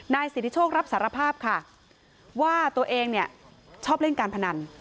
สิทธิโชครับสารภาพค่ะว่าตัวเองเนี่ยชอบเล่นการพนัน